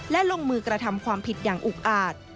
และลงมือกระทำความผิดอย่างอุกอาจ